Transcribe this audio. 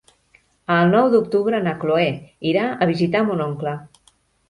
El nou d'octubre na Chloé irà a visitar mon oncle.